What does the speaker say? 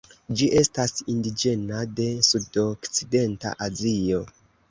Ĝi estas indiĝena de sudokcidenta Azio.